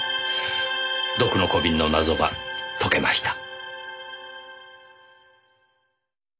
毒の小瓶の謎が解けました。